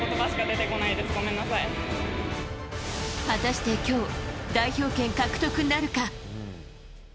果たして今日代表権獲得なるか？